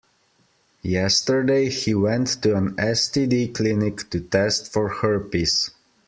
Yesterday, he went to an STD clinic to test for herpes.